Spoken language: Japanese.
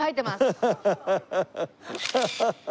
ハハハハ。